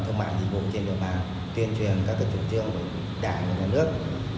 thông mại dịch vụ trên địa bàn tuyên truyền các tổ chức trường trương của đảng và đảng nước